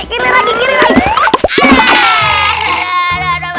kiri lagi kiri lagi